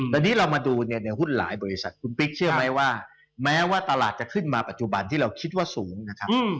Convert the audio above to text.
ตอนนี้เรามาดูเนี่ยในหุ้นหลายบริษัทคุณปิ๊กเชื่อไหมว่าแม้ว่าตลาดจะขึ้นมาปัจจุบันที่เราคิดว่าสูงนะครับ